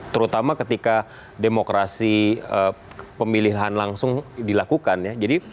terutama ketika demokrasi pemilihan langsung dilakukan ya